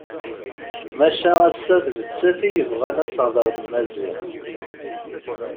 Maca ass-a d nettat i yebɣan ad tehder d Maziɣ.